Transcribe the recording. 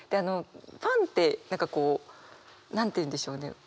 ファンって何かこう何て言うんでしょうね？